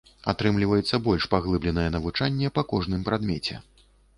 Атрымліваецца больш паглыбленае навучанне па кожным прадмеце.